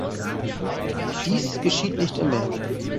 Dies geschieht nicht immer.